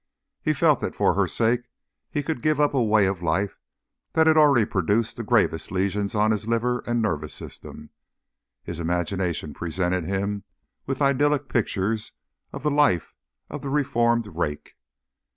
He felt that for her sake he could give up a way of life that had already produced the gravest lesions on his liver and nervous system. His imagination presented him with idyllic pictures of the life of the reformed rake.